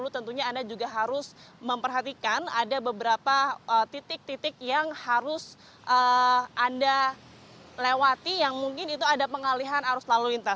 tentunya anda juga harus memperhatikan ada beberapa titik titik yang harus anda lewati yang mungkin itu ada pengalihan arus lalu lintas